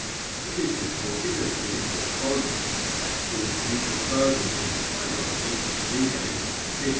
It is reported of Philippus Bonus, that good duke of Burgundy (by Lodovicus Vives, in Epist.